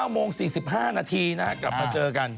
๙โมง๔๕นาทีกลับมาเจอกัน